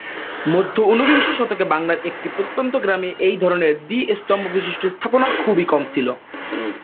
মধ্য ঊনবিংশ শতকে বাংলার একটি প্রত্যন্ত গ্রামে এই ধরনের দ্বী-স্তম্ভবিশিষ্ট্য স্থাপনা খুবই কম ছিল।